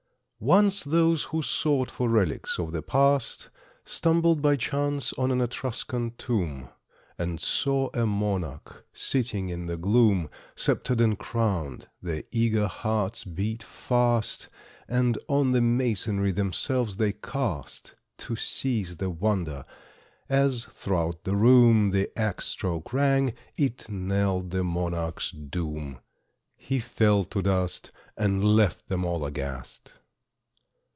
Once those who sought for relics of the past Stumbled by chance on an Etrurian tomb, And saw a monarch sitting in the gloom, Sceptred and crowned. Their eager hearts beat fast, And on the masonry themselves they cast, To seize the wonder. As, throughout the room, The axe stroke rang, it knelled the monarch's doom. He fell to dust, and left them all aghast.